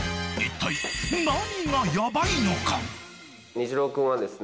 虹郎君はですね。